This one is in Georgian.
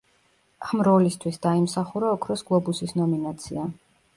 ამ როლისთვის დაიმსახურა ოქროს გლობუსის ნომინაცია.